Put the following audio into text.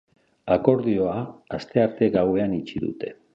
Akordioa astearte gauean itxi dute.